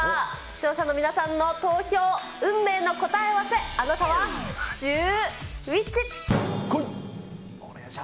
視聴者の皆さんの投票、運命の答え合わせ、あなたはシューＷｈｉｃｈ。